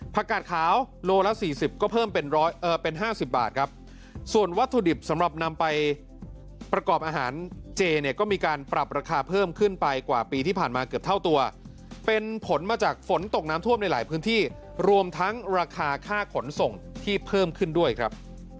ประกอบอาหารเจก็มีการปรับราคาเพิ่มขึ้นไปกว่าปีที่ผ่านมาเกือบเท่าตัวเป็นผลมาจากฝนตกน้ำท่วมในหลายพื้นที่รวมทั้งราคาค่าขนส่งที่เพิ่มขึ้นด้วยครับ